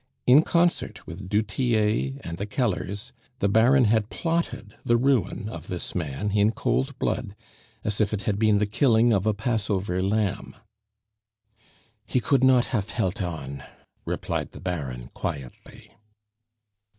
In concert with du Tillet and the Kellers, the Baron had plotted the ruin of this man in cold blood, as if it had been the killing of a Passover lamb. "He could not hafe helt on," replied the Baron quietly.